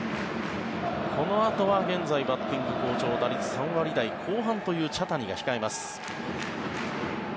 このあとは現在バッティング好調打率３割台後半という茶谷が控えます。